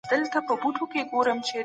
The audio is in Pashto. د نورو خلګو تاوان مه کوئ.